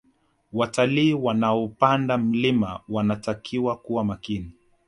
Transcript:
Watalii wanaopanda mlima wanatakiwa kuwa makini